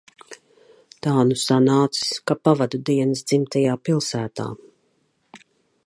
Tā nu sanācis, ka pavadu dienas dzimtajā pilsētā.